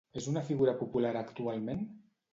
És una figura popular actualment?